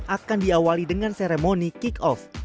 akan diawali dengan seremoni kick off